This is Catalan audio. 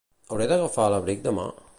Hauré d'agafar l'abric demà?